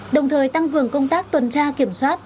đồng thời tăng cường công tác tuần tra kiểm soát